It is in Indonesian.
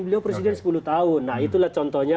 beliau presiden sepuluh tahun nah itulah contohnya